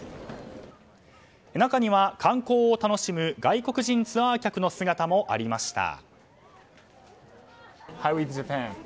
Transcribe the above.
中には、観光を楽しむ外国人ツアー客の姿もありました。